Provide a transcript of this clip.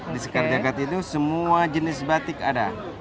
di sekar jagad itu semua jenis batik ada